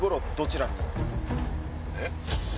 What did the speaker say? えっ？